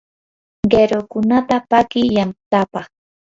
qirukunata paki yantapaq.